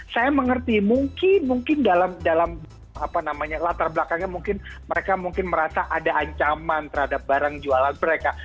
saya mengerti mungkin dalam latar belakangnya mungkin mereka mungkin merasa ada ancaman terhadap barang jualan mereka